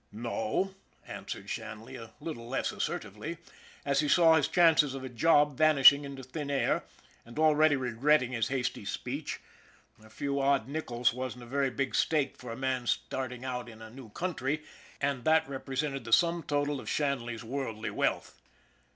"" No," answered Shanley, a little less assertively, as he saw his chances of a job vanishing into thin air, and already regretting his hasty speech a few odd nickels wasn't a very big stake for a man starting out in a new country, and that represented the sum total of Shan ley's worldly wealth.